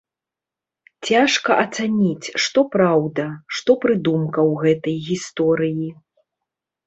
Цяжка ацаніць, што праўда, што прыдумка ў гэтай гісторыі.